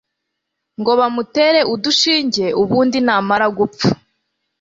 ngo bamutere udushinge ubundi namara gupfa